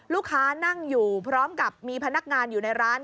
นั่งอยู่พร้อมกับมีพนักงานอยู่ในร้าน